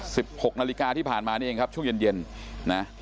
หกนาฬิกาที่ผ่านมานี่เองครับช่วงเย็นเย็นนะ